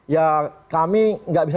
ya kami gak bisa